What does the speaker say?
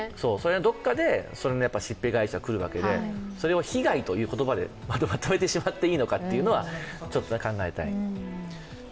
どこかでしっぺ返しが来るわけで、それを被害という言葉でまとめてしまっていいのか、考えたいですね。